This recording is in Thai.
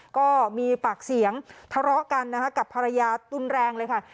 ก็มีปากเสียงทะเลาะกันนะคะกับภรรยาตุนแรงเลยค่ะ